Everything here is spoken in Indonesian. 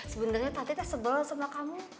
sebenarnya tante teh sebel sama kamu